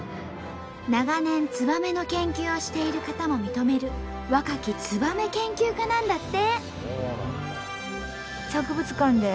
長年ツバメの研究をしている方も認める若きツバメ研究家なんだって。